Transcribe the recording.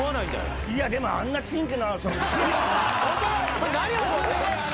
いやでもあんなちんけな。